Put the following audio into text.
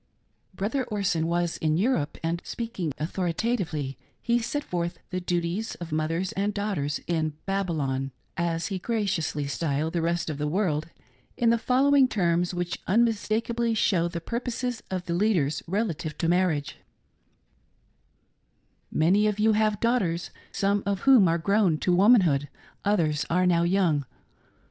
Brother Orson was in Europe, and, speaking author itatively, he set forth the duties of mothers and daughters in " Babylon," as he graciously styled the rest of the world, in the following terms which unmistakably show the purposes of the leaders relative to marriage :" Many of you have daughters, some of whom are grown to womanhood; others are now young.